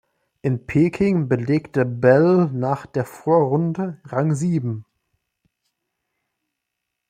In Peking belegte Bell nach der Vorrunde Rang sieben.